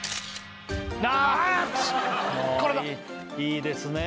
いいですね